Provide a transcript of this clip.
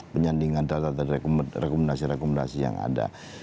penyandingan data data rekomendasi rekomendasi yang ada